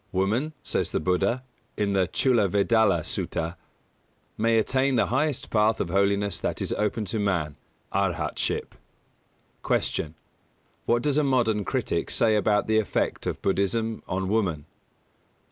"Woman," says the Buddha, in the Chullavedalla Sutta, "may attain the highest path of holiness that is open to man Arhatship." 225. Q. _What does a modern critic say about the effect of Buddhism on woman?